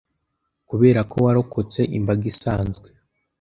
Kuberako warokotse imbaga isanzwe